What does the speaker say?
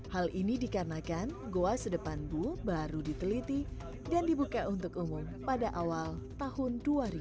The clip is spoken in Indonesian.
hal ini dikarenakan goa sedepan bu baru diteliti dan dibuka untuk umum pada awal tahun dua ribu dua